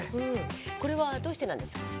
これはどうしてなんです？